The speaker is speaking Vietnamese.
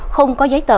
không có giấy tờ